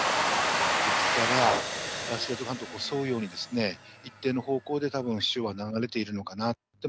沖から知床半島を沿うようにですね、一定の方向でたぶん、潮は流れているのかなと。